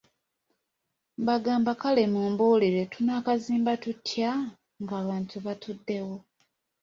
Mbagamba kale mumbuulire tunaakazimba tutya ng'abantu batuddewo?